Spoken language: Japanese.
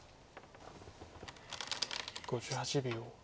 ５８秒。